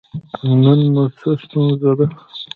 نن مو څه ستونزه ده؟